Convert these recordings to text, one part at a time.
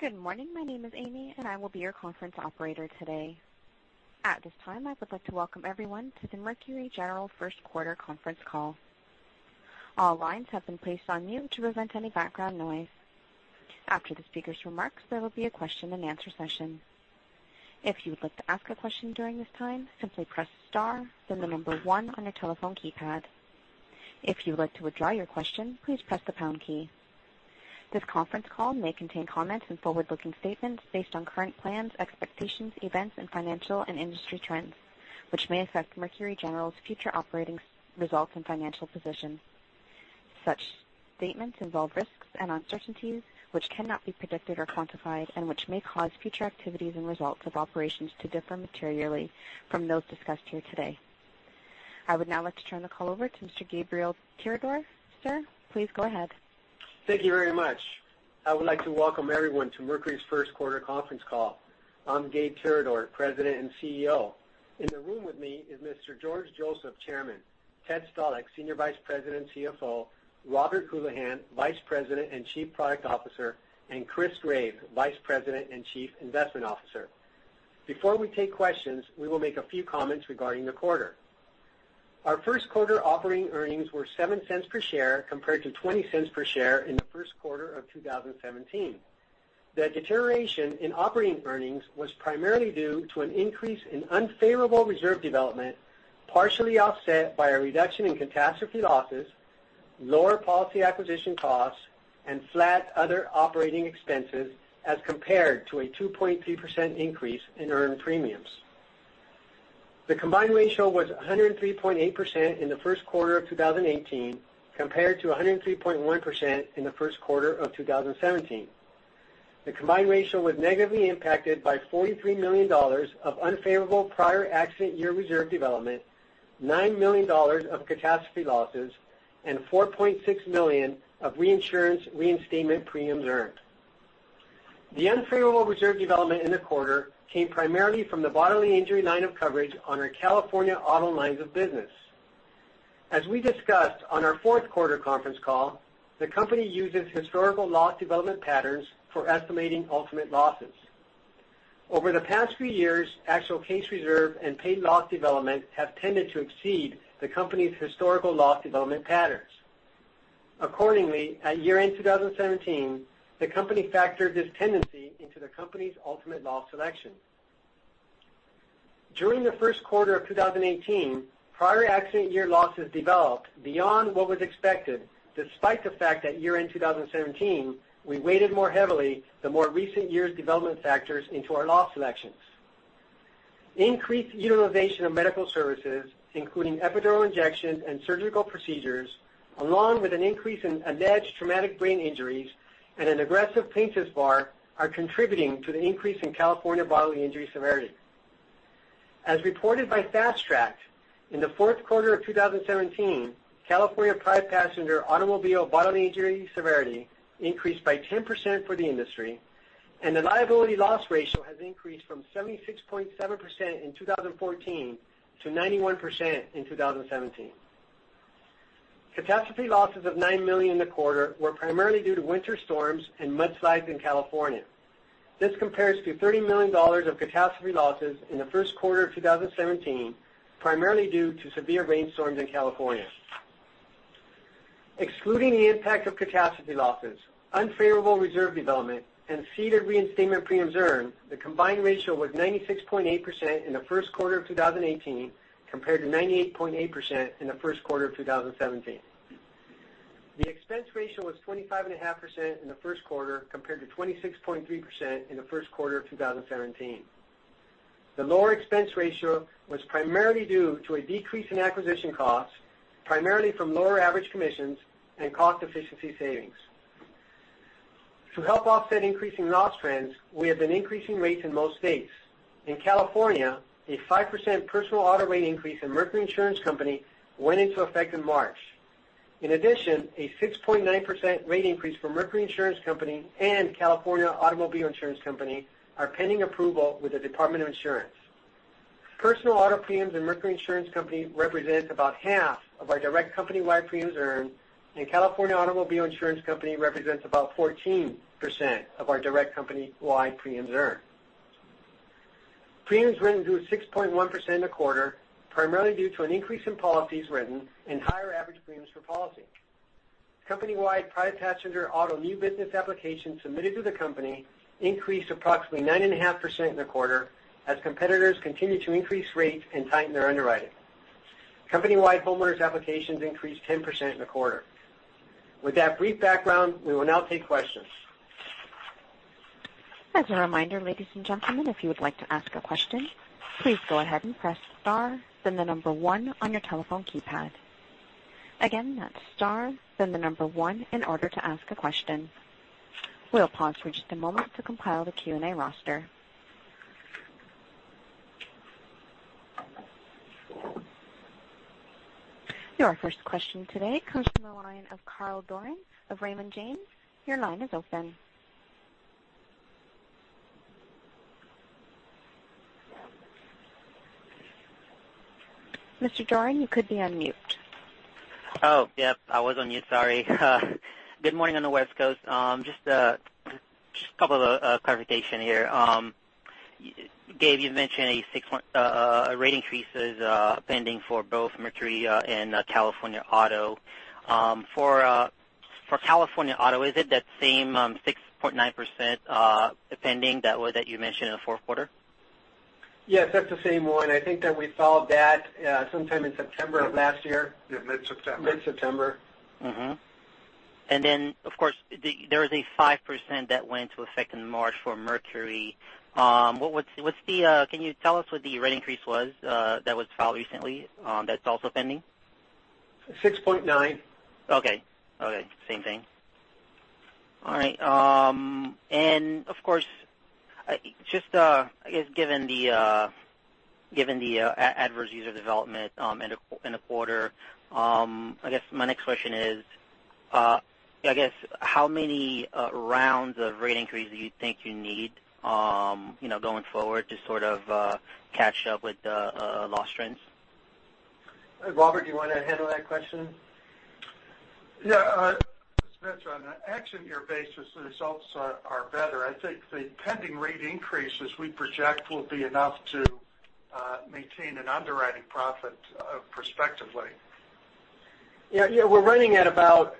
Good morning. My name is Amy. I will be your conference operator today. At this time, I would like to welcome everyone to the Mercury General first quarter conference call. All lines have been placed on mute to prevent any background noise. After the speaker's remarks, there will be a question and answer session. If you would like to ask a question during this time, simply press star, then the number one on your telephone keypad. If you would like to withdraw your question, please press the pound key. This conference call may contain comments and forward-looking statements based on current plans, expectations, events, and financial and industry trends, which may affect Mercury General's future operating results and financial position. Such statements involve risks and uncertainties which cannot be predicted or quantified and which may cause future activities and results of operations to differ materially from those discussed here today. I would now like to turn the call over to Mr. Gabriel Tirador. Sir, please go ahead. Thank you very much. I would like to welcome everyone to Mercury's first quarter conference call. I'm Gabe Tirador, President and CEO. In the room with me is Mr. George Joseph, Chairman, Ted Stalick, Senior Vice President and CFO, Robert Houlihan, Vice President and Chief Product Officer, and Chris Graves, Vice President and Chief Investment Officer. Before we take questions, we will make a few comments regarding the quarter. Our first quarter operating earnings were $0.07 per share, compared to $0.20 per share in the first quarter of 2017. The deterioration in operating earnings was primarily due to an increase in unfavorable reserve development, partially offset by a reduction in catastrophe losses, lower policy acquisition costs, and flat other operating expenses as compared to a 2.3% increase in earned premiums. The combined ratio was 103.8% in the first quarter of 2018, compared to 103.1% in the first quarter of 2017. The combined ratio was negatively impacted by $43 million of unfavorable prior accident year reserve development, $9 million of catastrophe losses, and $4.6 million of reinsurance reinstatement premiums earned. The unfavorable reserve development in the quarter came primarily from the bodily injury line of coverage on our California auto lines of business. As we discussed on our fourth quarter conference call, the company uses historical loss development patterns for estimating ultimate losses. Over the past few years, actual case reserve and paid loss development have tended to exceed the company's historical loss development patterns. Accordingly, at year-end 2017, the company factored this tendency into the company's ultimate loss selections. During the first quarter of 2018, prior accident year losses developed beyond what was expected, despite the fact that year-end 2017, we weighted more heavily the more recent years' development factors into our loss selections. Increased utilization of medical services, including epidural injections and surgical procedures, along with an increase in alleged traumatic brain injuries and an aggressive plaintiffs' bar, are contributing to the increase in California bodily injury severity. As reported by FastTrack, in the fourth quarter of 2017, California prior passenger automobile bodily injury severity increased by 10% for the industry, and the liability loss ratio has increased from 76.7% in 2014 to 91% in 2017. Catastrophe losses of $9 million in the quarter were primarily due to winter storms and mudslides in California. This compares to $30 million of catastrophe losses in the first quarter of 2017, primarily due to severe rainstorms in California. Excluding the impact of catastrophe losses, unfavorable reserve development, and ceded reinstatement premiums earned, the combined ratio was 96.8% in the first quarter of 2018, compared to 98.8% in the first quarter of 2017. The expense ratio was 25.5% in the first quarter, compared to 26.3% in the first quarter of 2017. The lower expense ratio was primarily due to a decrease in acquisition costs, primarily from lower average commissions and cost efficiency savings. To help offset increasing loss trends, we have been increasing rates in most states. In California, a 5% personal auto rate increase in Mercury Insurance Company went into effect in March. In addition, a 6.9% rate increase for Mercury Insurance Company and California Automobile Insurance Company are pending approval with the Department of Insurance. Personal auto premiums in Mercury Insurance Company represent about half of our direct company-wide premiums earned, and California Automobile Insurance Company represents about 14% of our direct company-wide premiums earned. Premiums written grew 6.1% in the quarter, primarily due to an increase in policies written and higher average premiums per policy. Company-wide, prior passenger auto new business applications submitted to the company increased approximately 9.5% in the quarter as competitors continued to increase rates and tighten their underwriting. Company-wide homeowners applications increased 10% in the quarter. With that brief background, we will now take questions. As a reminder, ladies and gentlemen, if you would like to ask a question, please go ahead and press star, then the number one on your telephone keypad. Again, that's star, then the number one in order to ask a question. We'll pause for just a moment to compile the Q&A roster. Your first question today comes from the line of Carl Doirin of Raymond James. Your line is open. Mr. Doirin, you could be unmuted. Yep. I was on mute, sorry. Good morning on the West Coast. Just a couple of clarification here. Gabe, you've mentioned rate increases pending for both Mercury and California Auto. For California Auto, is it that same 6.9% pending that you mentioned in the fourth quarter? Yes, that's the same one. I think that we filed that sometime in September of last year. Yep, mid-September. Mid-September. Of course, there is a 5% that went into effect in March for Mercury. Can you tell us what the rate increase was that was filed recently that's also pending? 6.9. Okay. Same thing. All right. Of course, I guess, given the adverse reserve development in the quarter, I guess my next question is how many rounds of rate increases do you think you need going forward to sort of catch up with the loss trends? Robert, do you want to handle that question? Yeah. Smith, on an accident year basis, the results are better. I think the pending rate increases we project will be enough to maintain an underwriting profit prospectively. Yeah. We're running at about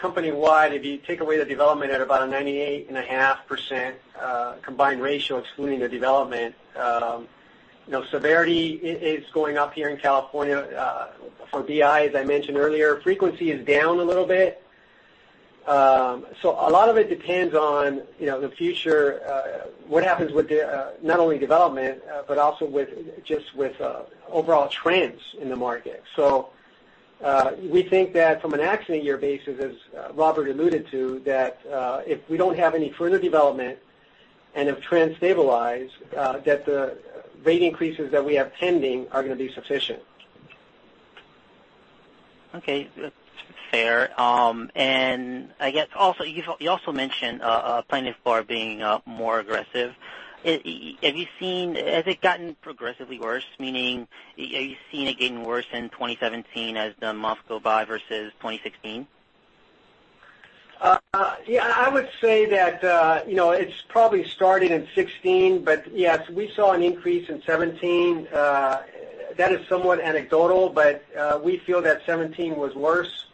company-wide, if you take away the development at about a 98.5% combined ratio excluding the development. Severity is going up here in California for BI, as I mentioned earlier. Frequency is down a little bit. A lot of it depends on the future, what happens with not only development but also just with overall trends in the market. We think that from an accident year basis as Robert alluded to, that if we don't have any further development and if trends stabilize, that the rate increases that we have pending are going to be sufficient. Okay. Fair. I guess you also mentioned plaintiff bar being more aggressive. Has it gotten progressively worse, meaning are you seeing it getting worse in 2017 as the months go by versus 2016? I would say that it's probably started in 2016. Yes, we saw an increase in 2017. That is somewhat anecdotal, but we feel that 2017 was worse.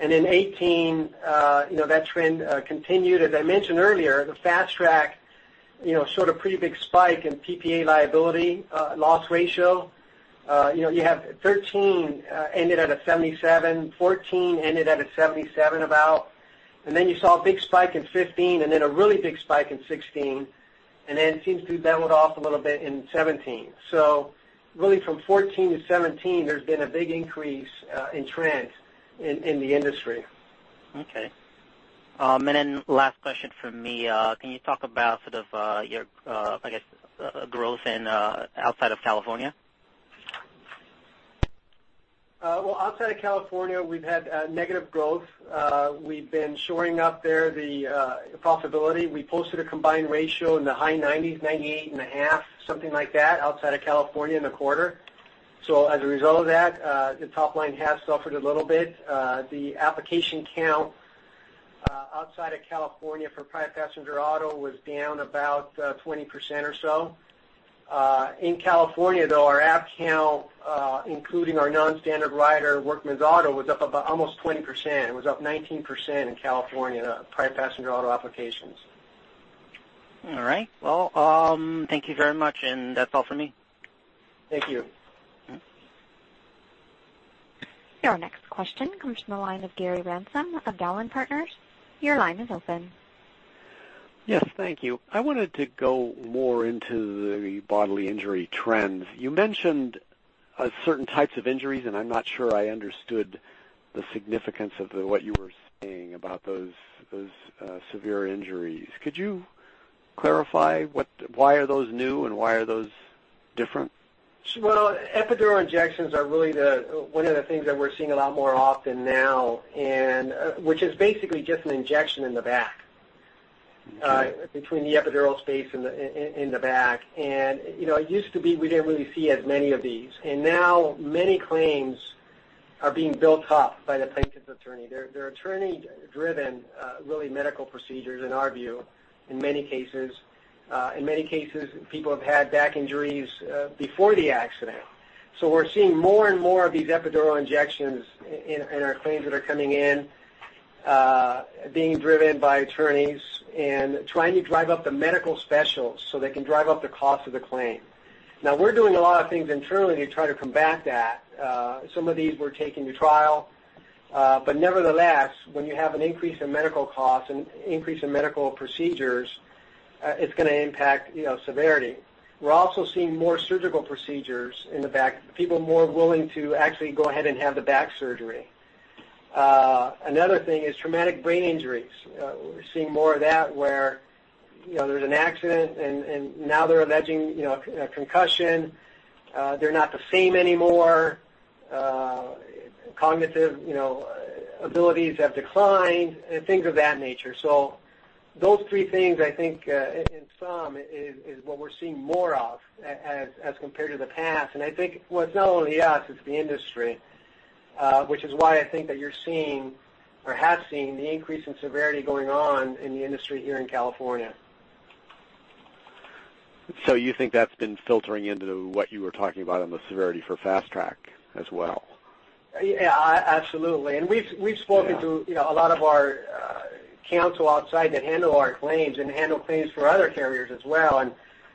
In 2018, that trend continued. As I mentioned earlier, the Fast Track showed a pretty big spike in PPA liability loss ratio. You have 2013 ended at a 77, 2014 ended at a 77 about, then you saw a big spike in 2015, then a really big spike in 2016. Then it seems to be leveled off a little bit in 2017. Really from 2014 to 2017, there's been a big increase in trends in the industry. Okay. Last question from me. Can you talk about sort of your, I guess, growth in outside of California? Outside of California, we've had negative growth. We've been shoring up there the profitability. We posted a combined ratio in the high 90s, 98 and a half, something like that outside of California in the quarter. As a result of that, the top line has suffered a little bit. The application count outside of California for private passenger auto was down about 20% or so. In California though, our app count including our non-standard rider, Workmen's Auto was up almost 20%. It was up 19% in California private passenger auto applications. All right. Well, thank you very much. That's all for me. Thank you. Your next question comes from the line of Gary Ransom of Dowling & Partners. Your line is open. Yes, thank you. I wanted to go more into the bodily injury trends. You mentioned certain types of injuries. I'm not sure I understood the significance of what you were saying about those severe injuries. Could you clarify why are those new and why are those different? Well, epidural injections are really one of the things that we're seeing a lot more often now. Which is basically just an injection in the back between the epidural space in the back. It used to be we didn't really see as many of these. Now many claims are being built up by the plaintiff's attorney. They're attorney driven really medical procedures in our view in many cases. In many cases, people have had back injuries before the accident. We're seeing more and more of these epidural injections in our claims that are coming in being driven by attorneys and trying to drive up the medical specials so they can drive up the cost of the claim. Now we're doing a lot of things internally to try to combat that. Some of these we're taking to trial. Nevertheless, when you have an increase in medical costs and increase in medical procedures, it's going to impact severity. We're also seeing more surgical procedures in the back. People more willing to actually go ahead and have the back surgery. Another thing is traumatic brain injuries. We're seeing more of that where there's an accident and now they're alleging a concussion. They're not the same anymore. Cognitive abilities have declined, and things of that nature. Those three things, I think, in sum, is what we're seeing more of as compared to the past. I think it's not only us, it's the industry, which is why I think that you're seeing or have seen the increase in severity going on in the industry here in California. You think that's been filtering into what you were talking about on the severity for Fast Track as well? Yeah. Absolutely. We've spoken- Yeah to a lot of our counsel outside that handle our claims and handle claims for other carriers as well,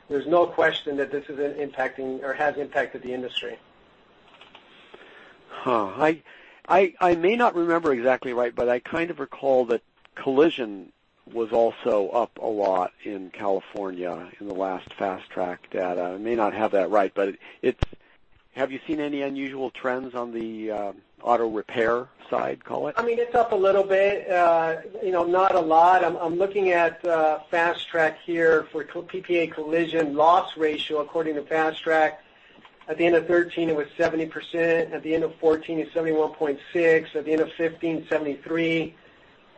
there's no question that this is impacting or has impacted the industry. Huh. I may not remember exactly right, I kind of recall that collision was also up a lot in California in the last Fast Track data. I may not have that right, have you seen any unusual trends on the auto repair side, call it? It's up a little bit. Not a lot. I'm looking at Fast Track here for PPA collision loss ratio according to Fast Track. At the end of 2013, it was 70%. At the end of 2014, it was 71.6%. At the end of 2015, 73%.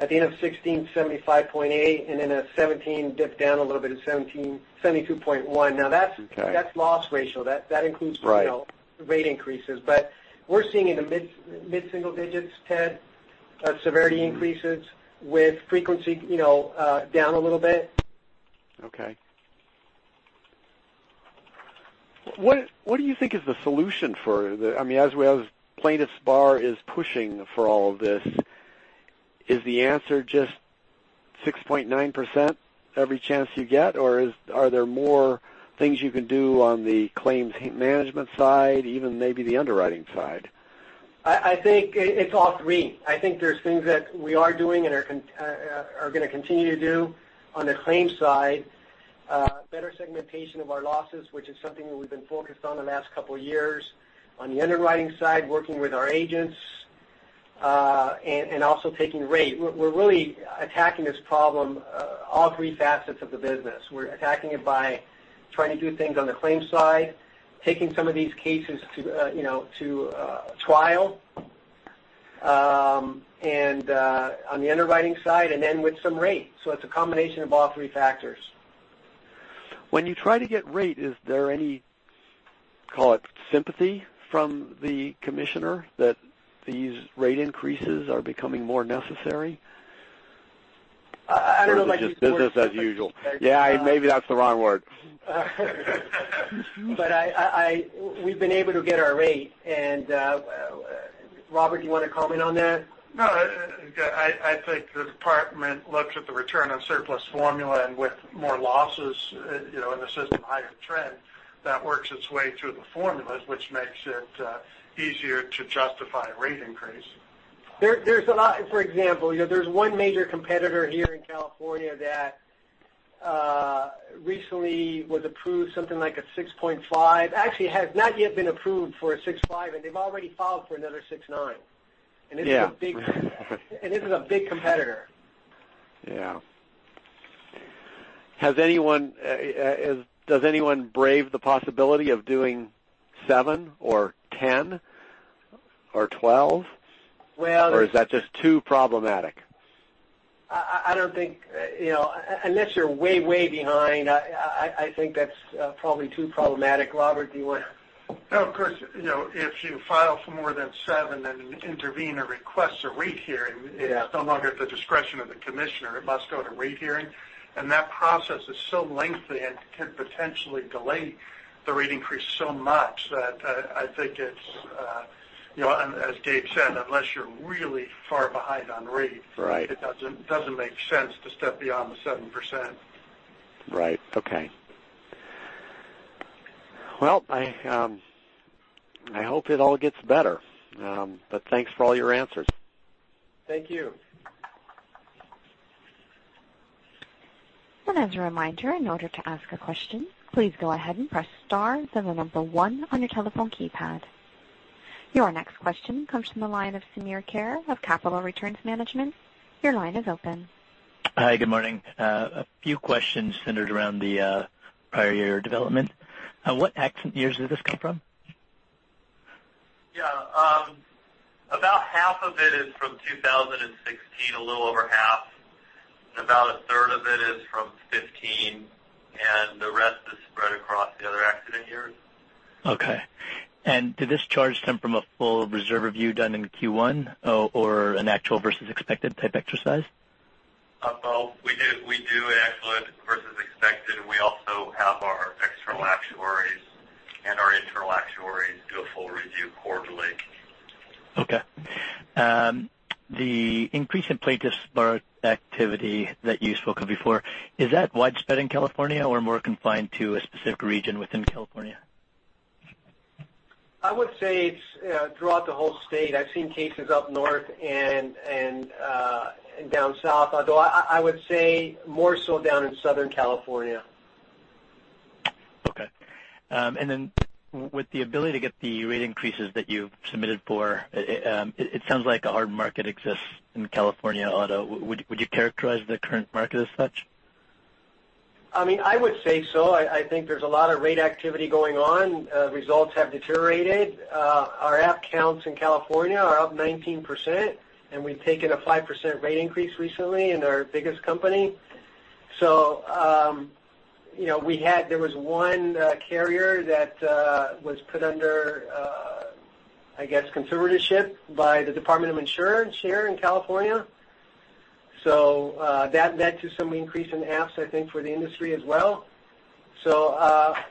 At the end of 2016, 75.8%. Then at 2017, dipped down a little bit at 72.1%. Now that's- Okay that's loss ratio. That includes- Right rate increases. We're seeing in the mid-single digits, 10 severity increases with frequency down a little bit. Okay. What do you think is the solution for the, as plaintiffs' bar is pushing for all of this, is the answer just 6.9% every chance you get, or are there more things you can do on the claims management side, even maybe the underwriting side? I think it's all three. I think there's things that we are doing and are going to continue to do on the claims side. Better segmentation of our losses, which is something that we've been focused on the last couple of years. On the underwriting side, working with our agents, and also taking rate. We're really attacking this problem, all three facets of the business. We're attacking it by trying to do things on the claims side, taking some of these cases to trial, and on the underwriting side, and then with some rate. It's a combination of all three factors. When you try to get rate, is there any, call it sympathy from the commissioner that these rate increases are becoming more necessary? I don't know about using the word sympathy. Is it just business as usual? Yeah, maybe that's the wrong word. We've been able to get our rate, and Robert, do you want to comment on that? No, I think the Department looks at the return on surplus formula, and with more losses in the system, higher trend. That works its way through the formulas, which makes it easier to justify a rate increase. For example, there's one major competitor here in California that recently was approved something like a 6.5%. Actually, has not yet been approved for a 6.5%, and they've already filed for another 6.9%. Yeah. This is a big competitor. Yeah. Does anyone brave the possibility of doing seven or 10 or 12? Well- Is that just too problematic? I don't think, unless you're way behind, I think that's probably too problematic. Robert, do you want to? Of course, if you file for more than seven, an intervener requests a rate hearing. Yeah. It's no longer at the discretion of the commissioner. It must go to rate hearing. That process is so lengthy and could potentially delay the rate increase so much that I think it's, and as Dave said, unless you're really far behind on rate. Right It doesn't make sense to step beyond the 7%. Right. Okay. Well, I hope it all gets better. Thanks for all your answers. Thank you. As a reminder, in order to ask a question, please go ahead and press star, then the number one on your telephone keypad. Your next question comes from the line of Ron Bobman of Capital Returns Management. Your line is open. Hi, good morning. A few questions centered around the prior year development. What accident years does this come from? Yeah. About half of it is from 2016, a little over half. About a third of it is from 2015, and the rest is spread across the other accident years. Okay. Did this charge come from a full reserve review done in Q1 or an actual versus expected type exercise? Well, we do an actual versus expected. We also have our external actuaries and our internal actuaries do a full review quarterly. Okay. The increase in plaintiffs' bar activity that you've spoken before, is that widespread in California or more confined to a specific region within California? I would say it's throughout the whole state. I've seen cases up north and down south, although I would say more so down in Southern California. Okay. With the ability to get the rate increases that you've submitted for, it sounds like a hard market exists in California auto. Would you characterize the current market as such? I would say so. I think there's a lot of rate activity going on. Results have deteriorated. Our app counts in California are up 19%, and we've taken a 5% rate increase recently in our biggest company. There was one carrier that was put under conservatorship by the California Department of Insurance here in California. That led to some increase in apps, I think, for the industry as well.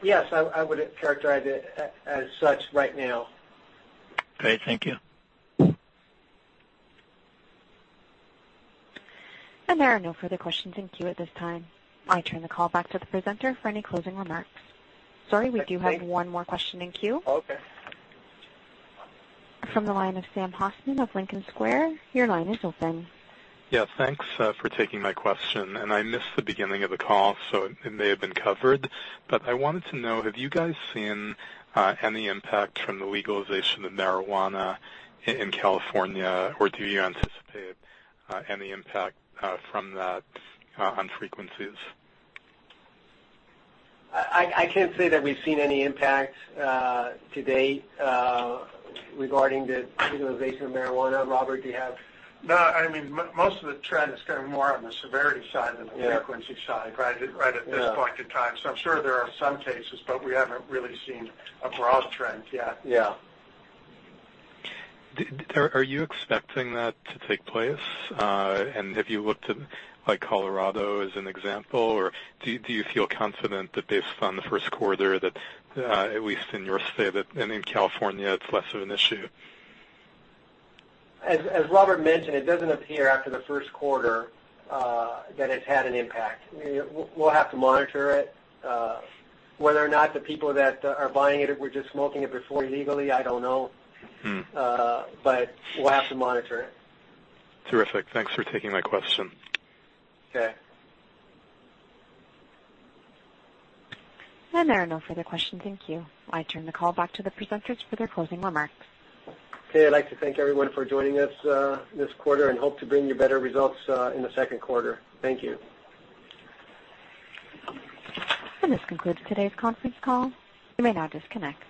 Yes, I would characterize it as such right now. Great. Thank you. There are no further questions in queue at this time. I turn the call back to the presenter for any closing remarks. Sorry, we do have one more question in queue. Okay. From the line of Sam Hoffman of Lincoln Square, your line is open. Yes, thanks for taking my question. I missed the beginning of the call, so it may have been covered, but I wanted to know, have you guys seen any impact from the legalization of marijuana in California, or do you anticipate any impact from that on frequencies? I can't say that we've seen any impact to date regarding the legalization of marijuana. Robert, do you have? Most of the trend is kind of more on the severity side than the frequency side right at this point in time. I'm sure there are some cases, but we haven't really seen a broad trend yet. Yeah. Are you expecting that to take place? Have you looked at Colorado as an example, or do you feel confident that based on the first quarter that, at least in your state and in California, it's less of an issue? As Robert mentioned, it doesn't appear after the first quarter that it had an impact. We'll have to monitor it. Whether or not the people that are buying it were just smoking it before legally, I don't know. We'll have to monitor it. Terrific. Thanks for taking my question. Okay. There are no further questions in queue. I turn the call back to the presenters for their closing remarks. Okay. I'd like to thank everyone for joining us this quarter and hope to bring you better results in the second quarter. Thank you. This concludes today's conference call. You may now disconnect.